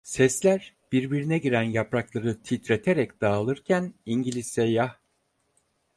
Sesler, birbirine giren yaprakları titreterek dağılırken İngiliz seyyah: